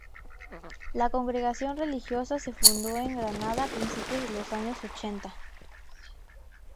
La congregación religiosa se fundó en Granada a principios de los años ochenta.